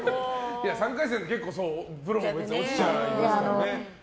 ３回戦ってプロも落ちちゃいますからね。